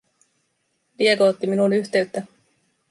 Diego otti minuun yhteyttä.